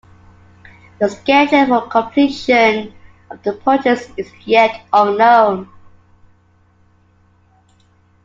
The schedule for completion of the purchase is yet unknown.